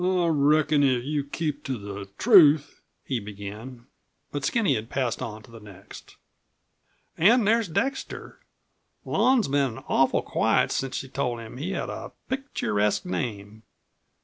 "I reckon if you'd keep to the truth " he began. But Skinny has passed on to the next. "An' there's Dexter. Lon's been awful quiet since she told him he had a picturesque name.